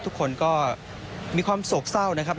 ทุกคนก็มีความโศกเศร้านะครับ